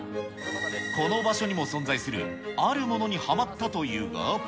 この場所にも存在するあるものにはまったというが。